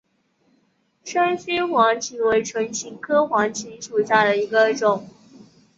山西黄芩为唇形科黄芩属下的一个种。